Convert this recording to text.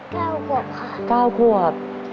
๙ขวบค่ะเฮ้ย๙ขวบ